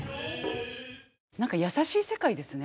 何か優しい世界ですね。